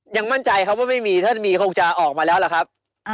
ยังมั่นใจครับว่าไม่มีถ้ามีคงจะออกมาแล้วล่ะครับ